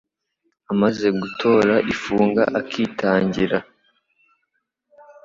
Amaze gutora ifunga akitangira,